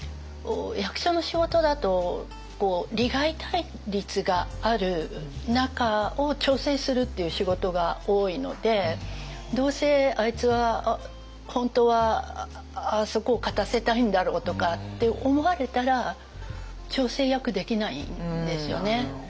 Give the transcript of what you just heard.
役所の仕事だと利害対立がある中を調整するっていう仕事が多いので「どうせあいつは本当はあそこを勝たせたいんだろう」とかって思われたら調整役できないんですよね。